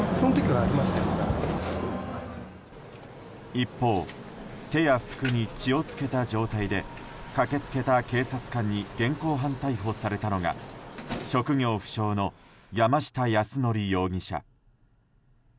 一方、手や服に血を付けた状態で駆け付けた警察官に現行犯逮捕されたのが職業不詳の山下泰範容疑者。